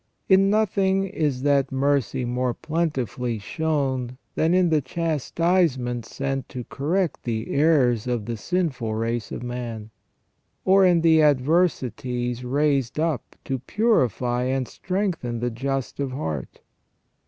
In nothing is that mercy more plentifully shown than in the chastisements sent to correct the errors of the sinful race of man, or in the adversities raised up to purify and strengthen the just of heart.